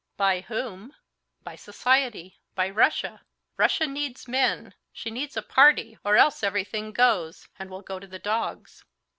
"By whom? By society, by Russia. Russia needs men; she needs a party, or else everything goes and will go to the dogs."